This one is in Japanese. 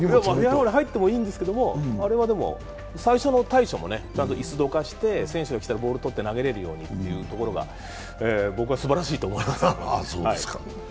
入ってもいいんですけど、最初の対処もちゃんと椅子をどかして選手が来たらボールを取って投げられるようにというところは僕はすばらしいと思います。